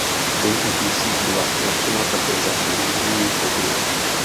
Tentýž měsíc byla zatčena také za řízení v opilosti.